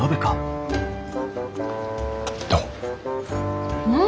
どう？